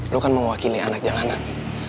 lo kan mewakili anak jalanan